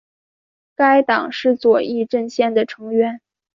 该党是左翼阵线的成员。